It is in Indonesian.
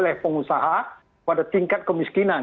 oleh pengusaha pada tingkat kemiskinan